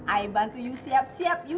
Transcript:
ayah bantu yu siap siap yu